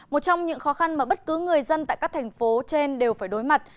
một trong những khó khăn mà bất cứ người dân tại các thành phố trên đều phải đối mặt